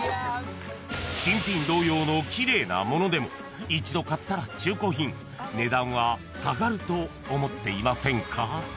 ［新品同様の奇麗なものでも一度買ったら中古品値段は下がると思っていませんか？］